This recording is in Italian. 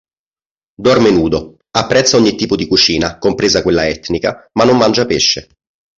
Dorme nudo; apprezza ogni tipo di cucina, compresa quella etnica, ma non mangia pesce.